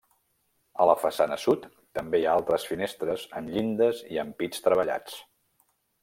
A la façana sud també hi ha altres finestres amb llindes i ampits treballats.